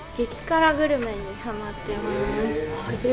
激辛グルメにハマってます。